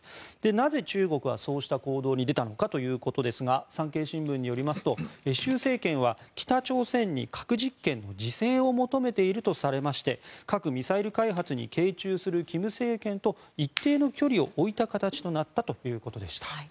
なぜ、中国はそうした行動に出たのかですが産経新聞によりますと習政権は北朝鮮に核実験の自制を求めているとされまして核・ミサイル開発に傾注する金政権と一定の距離を置いた形となったということでした。